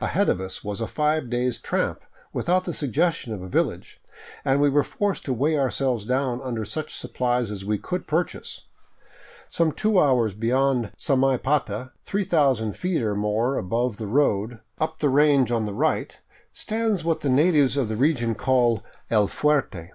Ahead of us was a five days' tramp without the suggestion of a village, and we were forced to weigh ourselves down under such supplies as we could purchase. Some two hours beyond Samaipata, 3000 feet or more above the road, up the range on the right, stands what the natives of the region call " El Fuerte."